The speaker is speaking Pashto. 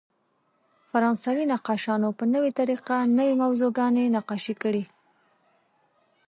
فرانسوي نقاشانو په نوې طریقه نوې موضوعګانې نقاشي کړې.